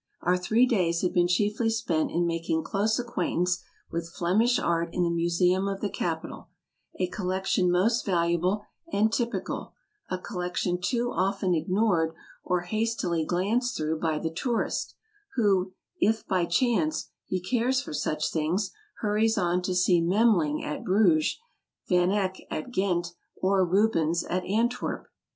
Our three days had been chiefly spent in making closer acquaintance with Flemish art in the museum of the capital — a collection most valuable and typi cal, a collection too often ignored or hastily glanced through by the tourist, who, if by chance he cares for such things, hurries on to see Memling at Bruges, Van Eyck at Ghent, or Rubens at Antwerp.